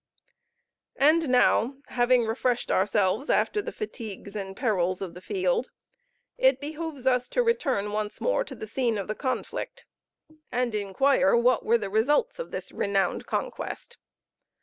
And now, having refreshed ourselves after the fatigues and perils of the field, it behoves us to return once more to the scene of conflict, and inquire what were the results of this renowned conquest.